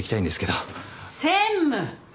・専務。